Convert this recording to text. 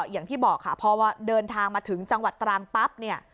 อย่างที่บอกค่ะเพราะว่าเดินทางมาถึงจังหวัดตรังปั๊บ